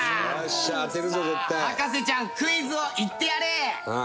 さあ博士ちゃんクイズを言ってやれ！